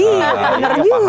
iya bener juga